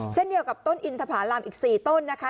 เช่นเดียวกับต้นอินทภารามอีก๔ต้นนะคะ